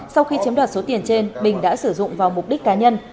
sau khi chiếm đoạt số tiền trên bình đã sử dụng vào mục đích cá nhân